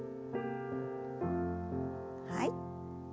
はい。